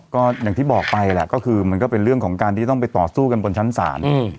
ก็อย่างที่บอกไปแหละก็คือมันก็เป็นเรื่องของการที่ต้องไปต่อสู้กันบนชั้นศาล